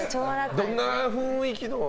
どんな雰囲気の？